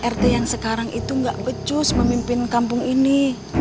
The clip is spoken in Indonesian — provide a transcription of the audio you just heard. rt yang sekarang itu nggak pecus memimpin kampung ini